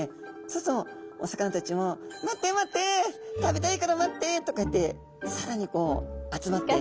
そうするとお魚たちも「待って待って食べたいから待って」とこうやってさらにこう集まって。